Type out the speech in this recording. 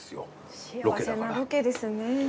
幸せなロケですね。